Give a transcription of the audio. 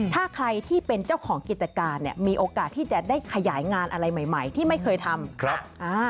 ถ้าใครที่เป็นเจ้าของกิจการเนี่ยมีโอกาสที่จะได้ขยายงานอะไรใหม่ที่ไม่เคยทำ